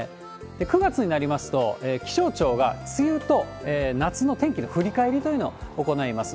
９月になりますと、気象庁が梅雨と夏の天気の振り返りというのを行います。